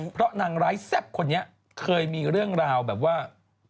เพราะนางร้ายแซ่บคนนี้เคยมีเรื่องราวแบบว่า